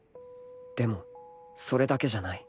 でもそれだけじゃない